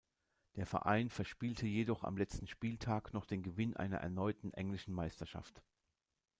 Der Verein verspielte jedoch am letzten Spieltag noch den Gewinn einer erneuten englischen Meisterschaft.